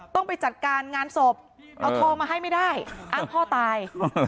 ต้องไปจัดการงานศพเอาทองมาให้ไม่ได้อ้างพ่อตาย